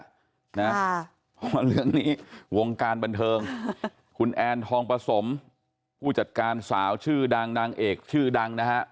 เพราะว่าเรื่องนี้วงการบันเทิงคุณแอนทองประสมผู้จัดการสาวชื่อดังนางเอกชื่อดังนะฮะ